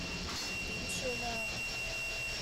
點算呀